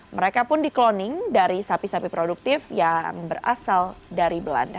mereka pun di cloning dari sapi sapi produktif yang berasal dari belanda